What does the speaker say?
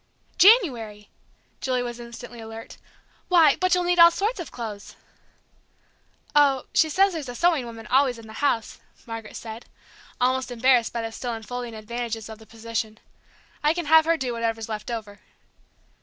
"January!" Julie was instantly alert. "Why, but you'll need all sorts of clothes!" "Oh, she says there's a sewing woman always in the house," Margaret said, almost embarrassed by the still unfolding advantages of the proposition. "I can have her do whatever's left over."